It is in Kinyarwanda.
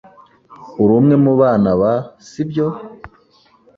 Uri umwe mu bana ba , si byo?